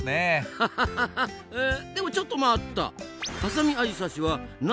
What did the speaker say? アハハハでもちょっと待った。